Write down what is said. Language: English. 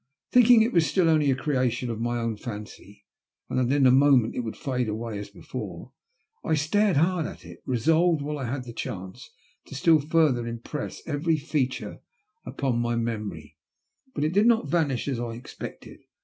Thinking it was still only a creation of my own fancy, and that in a moment it would fade away as before, I stared hard at it, resolved, while I had the chance, to still further impress every feature 118 THE LUST OP HATE. upon my memory. But it did not vanish as I expected.